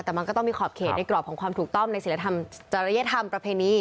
แต่มันก็ต้องมีขอบเขตในกรอบของทุกลับสัญละธรรมประเภนนี้